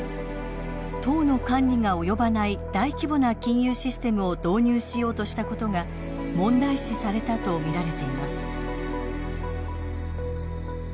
党の管理が及ばない大規模な金融システムを導入しようとしたことが問題視されたと見られています。